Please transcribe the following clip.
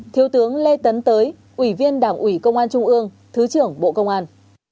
thiếu tướng lê tấn tới ủy viên đảng ủy công an trung ương thứ trưởng bộ công an